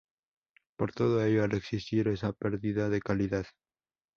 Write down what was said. Por todo ello, al existir esa pérdida de calidad